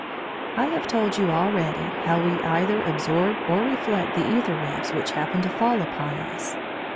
I have told you already how we either absorb or reflect the æther waves which happen to fall upon us.